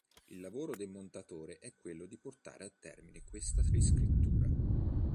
Il lavoro del montatore è quello di portare a termine questa riscrittura.